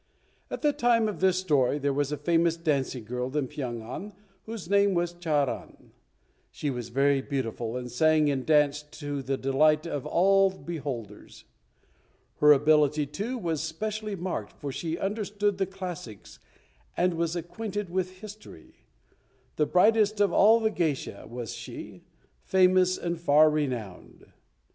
At the time of this story there was a famous dancing girl in Pyong an whose name was Charan. She was very beautiful, and sang and danced to the delight of all beholders. Her ability, too, was specially marked, for she understood the classics and was acquainted with history. The brightest of all the geisha was she, famous and far renowned.